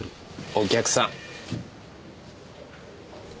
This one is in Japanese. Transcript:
お客さん。